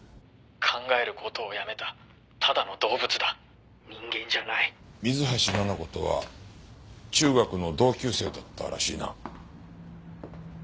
「考える事をやめたただの動物だ」「人間じゃない」水橋奈々子とは中学の同級生だったらしいな。